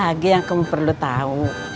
maksananya apa yang kamu perlu tahu